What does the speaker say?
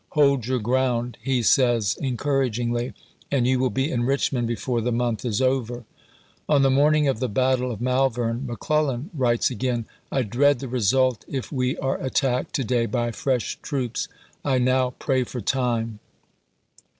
" Hold your ground," he says encouragingly, " and you will be in Richmond before the month is over." ibid., p.asi. On the morning of the battle of Malvern, McClellan writes again, " I dread the result if we are attacked to day by fresh troops. .. I now pray for time."